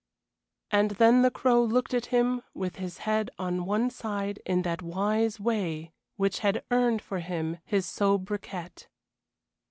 And then the Crow looked at him with his head on one side in that wise way which had earned for him his sobriquet.